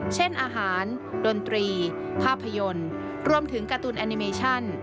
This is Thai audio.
เช่นอาหารดนตรีภาพยนตร์รวมถึงการ์ตูนแอนิเมชั่น